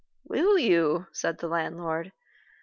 "Will you?" said the landlord.